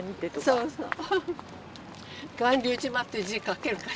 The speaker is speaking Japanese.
そうそう。